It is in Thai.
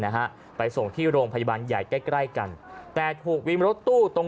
นะฮะไปส่งที่โรงพยาบาลใหญ่ใกล้ใกล้กันแต่ถูกวินรถตู้ตรง